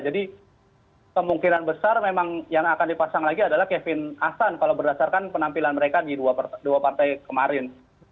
jadi kemungkinan besar memang yang akan dipasang lagi adalah kevin adsan kalau berdasarkan penampilan mereka di dua partai kemarin